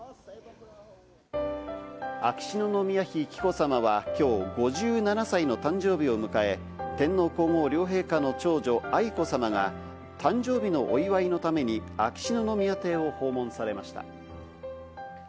秋篠宮妃紀子さまは、きょう５７歳の誕生日を迎え、天皇皇后両陛下の長女・愛子さまが、誕生日のお祝いのために秋篠宮邸を訪問されました。